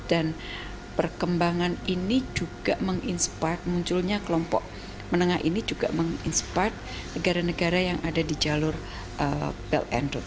dan perkembangan ini juga menginspirasi munculnya kelompok menengah ini juga menginspirasi negara negara yang ada di jalur belt and road